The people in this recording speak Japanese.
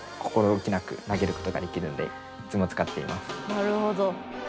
なるほど。